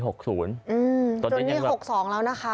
จนที่๖๒แล้วนะคะ